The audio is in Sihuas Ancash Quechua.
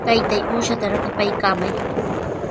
Taytay, uushaata rakipaykamay.